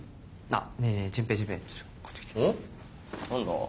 何だ？